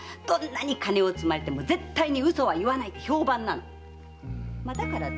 どんなに金を積まれても絶対に嘘は言わないって評判なんだよ。